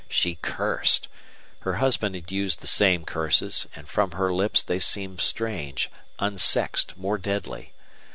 She cursed. Her husband had used the same curses, and from her lips they seemed strange, unsexed, more deadly.